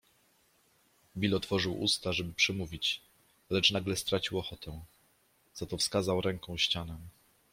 Bill otworzył usta, żeby przemówić, lecz nagle stracił ochotę. Za to wskazał ręką ścianę